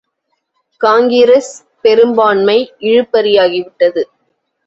காங்கிரஸ் பெரும்பான்மை இழுபறியாகிவிட்டது.